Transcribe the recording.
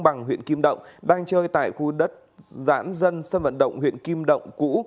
bằng huyện kim động đang chơi tại khu đất giãn dân sân vận động huyện kim động cũ